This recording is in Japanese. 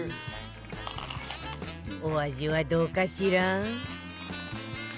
お味はどうかしら？